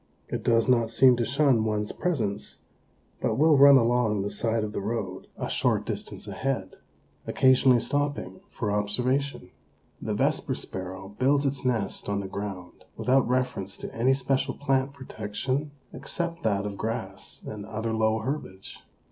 It does not seem to shun one's presence, but will run along the side of the road, a short distance ahead, occasionally stopping for observation. The Vesper Sparrow builds its nest on the ground without reference to any special plant protection except that of grass and other low herbage.